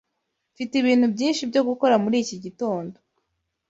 Mfite ibintu byinshi byo gukora muri iki gitondo.